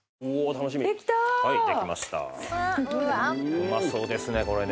うまそうですねこれね。